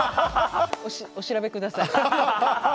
お調べください。